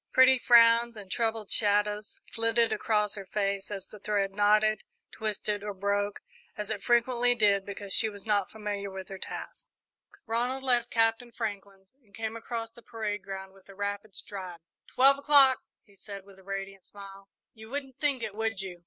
Pretty frowns and troubled shadows flitted across her face as the thread knotted, twisted, or broke, as it frequently did, because she was not familiar with her task. Ronald left Captain Franklin's and came across the parade ground with a rapid stride. "Twelve o'clock!" he said, with a radiant smile. "You wouldn't think it, would you?"